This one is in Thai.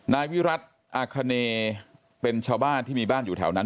นายวิรัติอาคเนเป็นชาวบ้านที่มีบ้านอยู่แถวนั้น